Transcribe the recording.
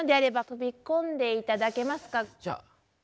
じゃあ。